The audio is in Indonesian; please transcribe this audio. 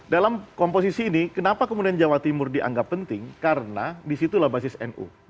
dalam komposisi ini kenapa kemudian jawa timur dianggap penting karena disitulah basis nu